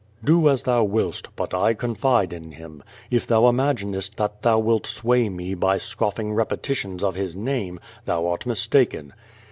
''Do as thou wilst, but I confide in him. If thou imaginest that thou wilt sway mc by scofling repetitions of his name, then art mistaken."